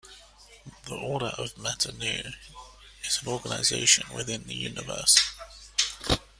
The Order of Mata Nui is an organization within the universe.